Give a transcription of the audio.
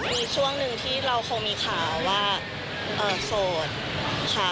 มีช่วงหนึ่งที่เราคงมีข่าวว่าโสดค่ะ